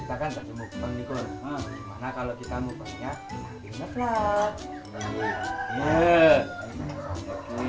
aku bisa memusnahkan dulu karena anjur